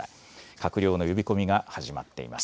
閣僚の呼び込みが始まっています。